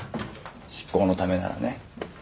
執行のためならね。